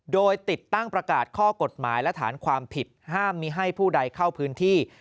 โดยติดตั้งประกาศข้อกฎหมายและฐานความผิดห้ามมีให้ผู้ใดเข้าพื้นที่